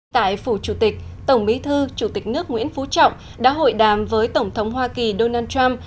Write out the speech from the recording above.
tại phủ chủ tịch tổng bí thư chủ tịch nước nguyễn phú trọng đã hội đàm với tổng thống hoa kỳ donald trump